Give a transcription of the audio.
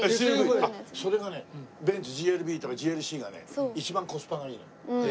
あっそれがねベンツＧＬＢとＧＬＣがね一番コスパがいいの。